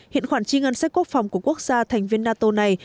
hiện khoản chi ngân sách quốc phòng của quốc gia thành viên nato này